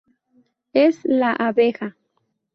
Es la abeja.